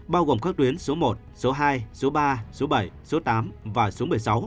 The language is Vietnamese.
bao gồm các tuyến số một số hai số ba số bảy số tám và số một mươi sáu